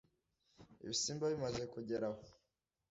ibisimba bimaze kugera aho